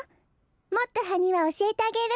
もっとハニワおしえてあげる。